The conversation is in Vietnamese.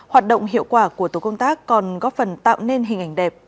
hoạt động hiệu quả của tổ công tác còn góp phần tạo nên hình ảnh đẹp